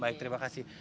baik terima kasih